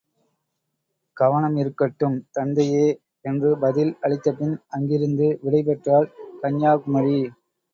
கவனமிருக்கட்டும் தந்தையே!... என்று பதில் அளித்தபின் அங்கிருந்து விடைபெற்றாள் கன்யாகுமரி.